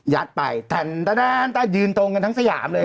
ยัดไปตัดตัดตัดตัดยืนตรงกันทั้งสหยามเลย